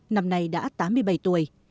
năm nay đã tám mươi bảy tuổi